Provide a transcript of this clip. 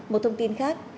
một thông tin khác